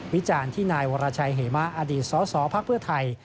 วิจารณ์ที่นายวราชัยเหม้าอดีตสสภไทย